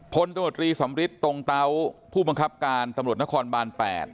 พลตำรวจรีสำริทตรงเตาผู้บังคับการตำรวจนครบาน๘